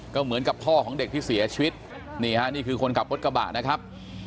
ก็เหมือนกับพ่อของเด็กที่เสียชีวิตนี่ฮะนี่คือคนขับรถกระบะนะครับ